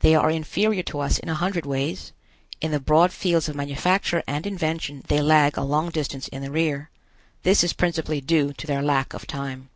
They are inferior to us in a hundred ways. In the broad fields of manufacture and invention they lag a long distance in the rear. This is principally due to their lack of time.